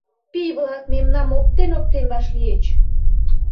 Пий-влак мемнам оптен-оптен вашлийыч.